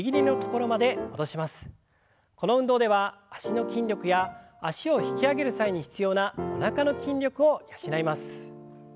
この運動では脚の筋力や脚を引き上げる際に必要なおなかの筋力を養います。